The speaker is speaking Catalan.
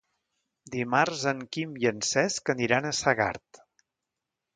Dimarts en Quim i en Cesc aniran a Segart.